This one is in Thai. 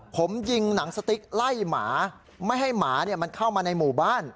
ผมยิงหนังสติ๊กไล่หมาไม่ให้หมามันเข้ามาในหมู่บ้าน